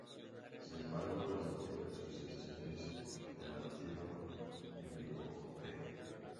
Sin embargo, las anteriores presentaciones de Mateo en vivo —p.